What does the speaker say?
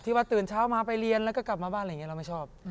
ที่ตื่นเช้ามาไปเรียนแล้วก็กลับมาบ้านเราไม่ชอบ